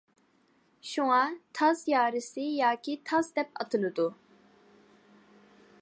شۇڭا تاز يارىسى ياكى تاز دەپ ئاتىلىدۇ.